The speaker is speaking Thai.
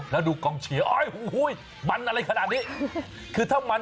แล้วดูกองเชียร์มันอะไรขนาดนี้คือถ้ามัน